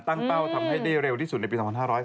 เป้าทำให้ได้เร็วที่สุดในปี๒๕๖๐